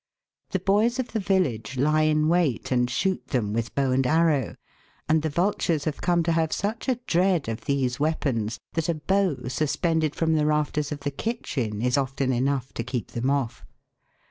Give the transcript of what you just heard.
The boys of the village lie in wait and shoot them with bow and arrow, and the vultures have come to have such a dread of these weapons that a bow sus pended from the rafters of the kitchen is often enough to keep them off.